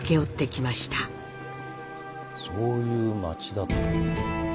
そういう町だったんだ。